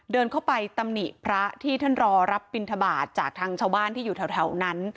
เดินเข้าไปตำหนิพระที่ท่านรอรับบินทบาทจากทางชาวบ้านที่อยู่แถวนั้น